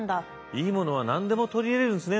いいものは何でも取り入れるんですね